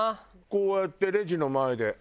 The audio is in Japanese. こうやってレジの前で。